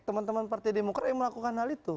teman teman partai demokrat yang melakukan hal itu